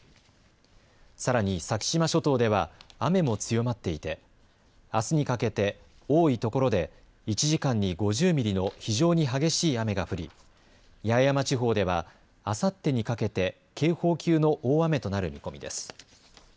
さらに先島諸島では雨も強まっていてあすにかけて多いところで１時間に５０ミリの非常に激しい雨が降り八重山地方ではあさってにかけて警報級の大雨となる見込みです。